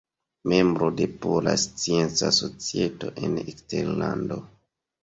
Membro de Pola Scienca Societo en Eksterlando.